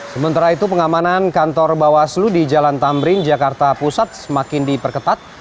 sementara itu pengamanan kantor bawah selu di jalan tambring jakarta pusat semakin diperketat